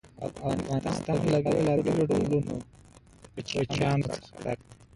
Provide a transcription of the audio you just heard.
افغانستان له بېلابېلو ډولونو کوچیانو څخه ډک دی.